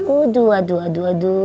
aduh aduh aduh